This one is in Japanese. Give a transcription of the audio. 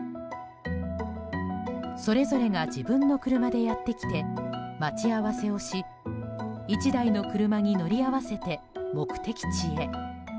それぞれが自分の車でやってきて待ち合わせをし１台の車に乗り合わせて目的地へ。